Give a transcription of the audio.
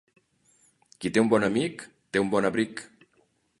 Qui té un bon amic, té un bon abric.